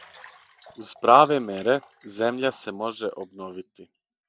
Уз праве мере, земља се може обновити.